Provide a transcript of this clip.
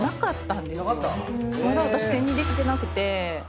まだ私手にできてなくて。